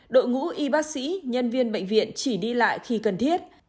đội ngũ y bác sĩ nhân viên bệnh viện chỉ đi lại khi cần thiết